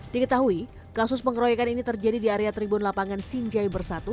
diketahui kasus pengeroyokan ini terjadi di area tribun lapangan sinjai bersatu